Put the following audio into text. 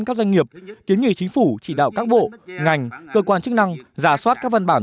các doanh nghiệp kiến nghị chính phủ chỉ đạo các bộ ngành cơ quan chức năng giả soát các văn bản